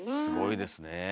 すごいですね。